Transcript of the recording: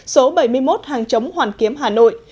số bảy mươi một hàng chống hoàn kiếm hà nội